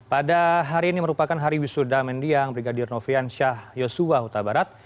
pada hari ini merupakan hari wisuda mendiang brigadir noviansyah yosua utabarat